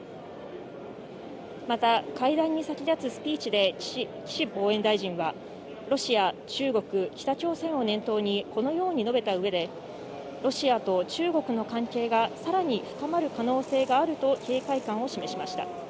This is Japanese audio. また、会談に先立つスピーチで岸防衛大臣は、ロシア、中国、北朝鮮を念頭に、このように述べたうえで、ロシアと中国の関係が、さらに深まる可能性があると警戒感を示しました。